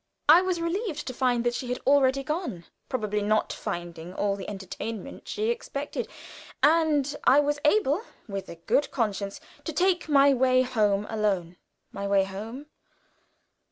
I was relieved to find that she had already gone, probably not finding all the entertainment she expected, and I was able, with a good conscience, to take my way home alone. My way home!